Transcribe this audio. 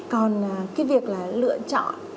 còn cái việc là lựa chọn